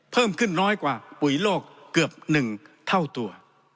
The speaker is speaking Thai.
เพิ่มขึ้นน้อยกว่าปุ๋ยโลกเกือบ๑เท่าตัว